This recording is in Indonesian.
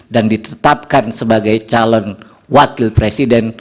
ditetapkan sebagai calon wakil presiden